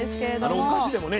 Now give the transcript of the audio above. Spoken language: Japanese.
お菓子でもね